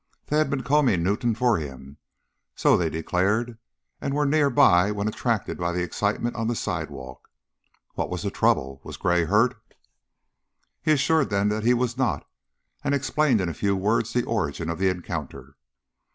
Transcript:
They had been combing Newtown for him, so they declared, and were near by when attracted by the excitement on the sidewalk. What was the trouble? Was Gray hurt? He assured them that he was not, and explained in a few words the origin of the encounter.